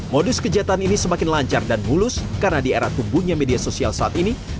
modus kejahatan ini semakin lancar dan mulus karena di era tumbuhnya media sosial saat ini